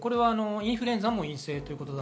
インフルエンザも陰性です。